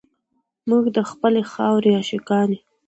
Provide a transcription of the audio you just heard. موږ د خپلې خاورې عاشقان یو.